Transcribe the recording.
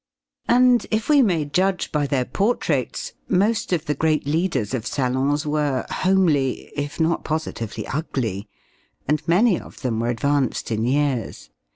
And, if we may judge by their portraits, most of the great leaders of salons were homely, if not positively ugly, and many of them were advanced in years.